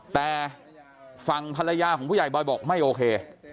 แต่ฝั่งภรรยาของผู้ใหญ่บอยบอกไม่โอเค